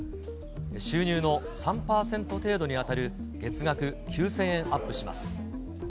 収入の３％程度に当たる、月額９０００円アップします。